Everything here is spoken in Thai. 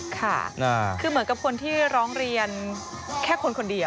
ค่ะคือเหมือนกับคนที่ร้องเรียนแค่คนคนเดียว